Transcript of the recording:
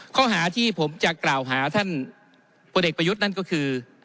ข้อหาที่ผมจะกล่าวหาท่านพลเอกประยุทธ์นั่นก็คือ